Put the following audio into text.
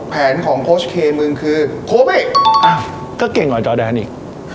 แผนของโค้ชเคมึงคือโค้เว้ก็เก่งกว่าจอแดนอีก